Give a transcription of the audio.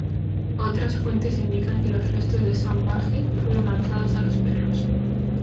Otras fuentes indican que los restos de Sambhaji fueron lanzados a los perros.